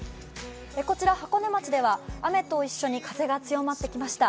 こちら、箱根町では雨と一緒に風も強まってきました。